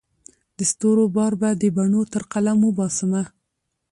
د ستورو بار به د بڼو تر قلم وباسمه